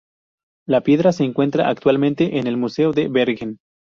La piedra se encuentra actualmente en el museo de Bergen.